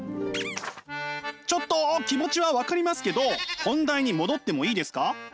ちょっと気持ちは分かりますけど本題に戻ってもいいですか？